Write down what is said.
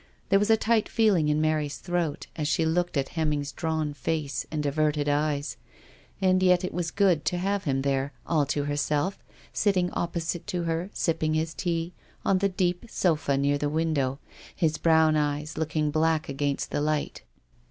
There was a tight feeling in Mary's throat as she looked at Hemming's drawn face and averted eyes. 294 m WHIGS CIVILISATION TRIUMPHS. 295 And yet it was good to have hini there, all to herself, sitting opposite to her, sipping his tea, on the deep sofa near the window, his brown eyes looking black against the light.